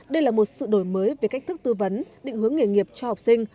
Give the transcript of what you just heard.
đây là một sự đổi mới về cách thức tư vấn định hướng nghề nghiệp cho học sinh